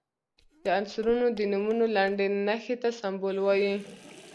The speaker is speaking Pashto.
د عنصرونو د نومونو لنډي نښې ته سمبول وايي.